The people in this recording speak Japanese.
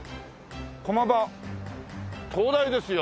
駒場東大ですよ！